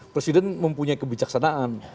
presiden mempunyai kebijaksanaan